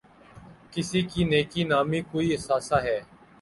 کسی کی نیک نامی کوئی اثاثہ ہے۔